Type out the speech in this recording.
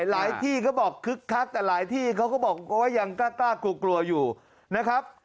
ที่เขาบอกคึกคักแต่หลายที่เขาก็บอกว่ายังกล้ากลัวกลัวอยู่นะครับ